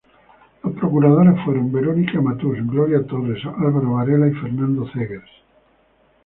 Los procuradores fueron: Verónica Matus, Gloria Torres, Álvaro Varela y Fernando Zegers.